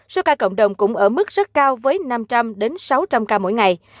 số ca cộng đồng cũng ở mức rất cao với năm trăm linh sáu trăm linh ca mỗi ngày